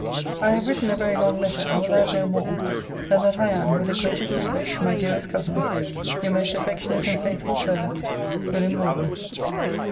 I have written a very long letter, and will add no more, than that I am, with the greatest respect, my dearest cousin, Your most affectionate and faithful servant, WM. MORDEN.